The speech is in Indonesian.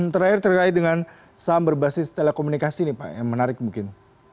terakhir terkait dengan saham berbasis telekomunikasi nih pak yang menarik mungkin